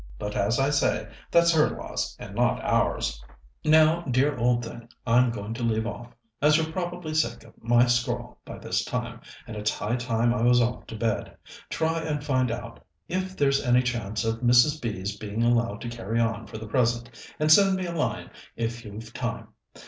But, as I say, that's her loss and not ours. "Now, dear old thing, I'm going to leave off, as you're probably sick of my scrawl by this time, and it's high time I was off to my bed. Try and find out if there's any chance of Mrs. B.'s being allowed to carry on for the present, and send me a line if you've time.